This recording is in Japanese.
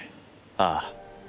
ああ。